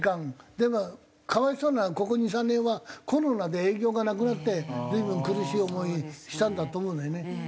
でも可哀想なのはここ２３年はコロナで営業がなくなって随分苦しい思いしたんだと思うんだよね。